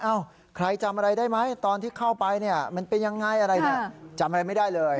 ใครจำอะไรได้ไหมตอนที่เข้าไปเนี่ยมันเป็นยังไงอะไรเนี่ยจำอะไรไม่ได้เลย